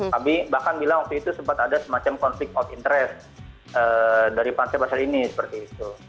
kami bahkan bilang waktu itu sempat ada semacam konflik of interest dari pantai pasir ini seperti itu